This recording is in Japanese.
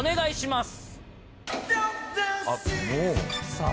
さあ。